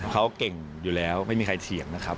เขาเก่งอยู่แล้วไม่มีใครเถียงนะครับ